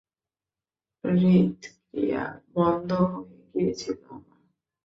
হৃদক্রিয়া বন্ধ হয়ে গিয়েছিল আমার।